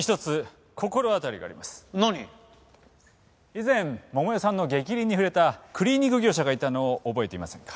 以前桃代さんの逆鱗に触れたクリーニング業者がいたのを覚えていませんか？